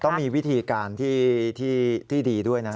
ต้องมีวิธีการที่ดีด้วยนะ